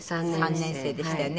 ３年生でしたよね？